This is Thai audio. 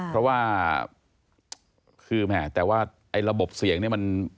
เพราะว่าคือแม่แต่ว่าระบบเสียงมัน